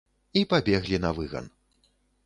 І пабеглі на выган.